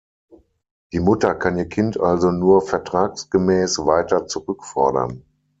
Die Mutter kann ihr Kind also nur vertragsgemäß weiter zurückfordern.